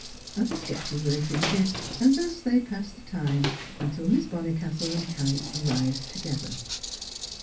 Other sketches were exhibited, and thus they passed the time until Miss Bonnicastle and Kite arrived together.